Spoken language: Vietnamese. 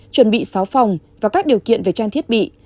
chuẩn bị sáu phòng và các điều kiện về trang thiết bị